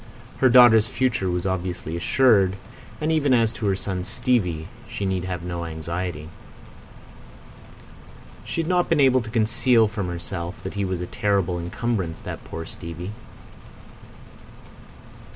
Her daughter's future was obviously assured, and even as to her son Stevie she need have no anxiety. She had not been able to conceal from herself that he was a terrible encumbrance, that poor Stevie.